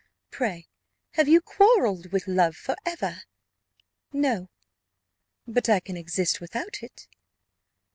Pray, have you quarrelled with love for ever?" "No; but I can exist without it."